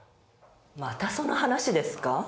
またその話ですか？